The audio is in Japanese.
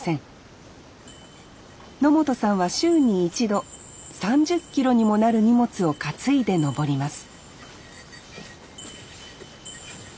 野本さんは週に１度３０ｋｇにもなる荷物を担いで登ります